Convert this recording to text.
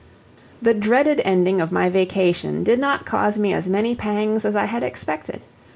The dreaded ending of my vacation did not cause me as many pangs as I had expected.